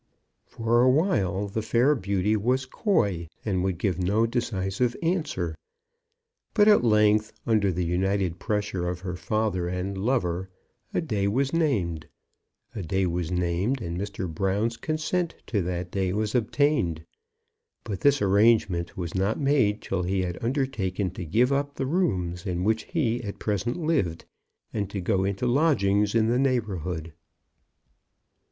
For a while the fair beauty was coy, and would give no decisive answer; but at length under the united pressure of her father and lover, a day was named. A day was named, and Mr. Brown's consent to that day was obtained; but this arrangement was not made till he had undertaken to give up the rooms in which he at present lived, and to go into lodgings in the neighbourhood.